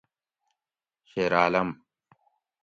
شیرعالم